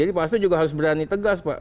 jadi pak hasto juga harus berani tegas pak